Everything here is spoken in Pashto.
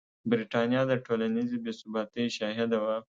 برېټانیا د ټولنیزې بې ثباتۍ شاهده وه.